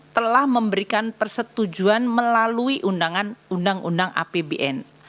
telah memberikan persetujuan melalui undangan undang undang apbn